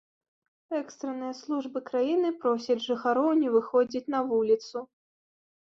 Экстранныя службы краіны просяць жыхароў не выходзіць на вуліцу.